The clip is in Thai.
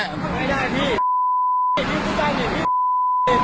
ไม่ได้พี่